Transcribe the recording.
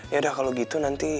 yaudah kalau gitu nanti